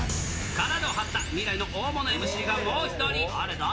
体を張った未来の大物ＭＣがもう１人。